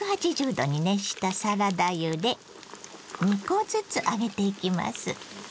℃に熱したサラダ油で２コずつ揚げていきます。